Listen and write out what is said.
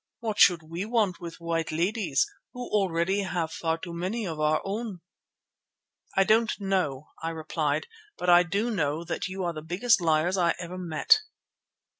What should we want with white ladies, who have already far too many of our own?" "I don't know," I replied, "but I do know that you are the biggest liars I ever met."